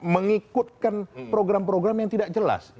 mengikutkan program program yang tidak jelas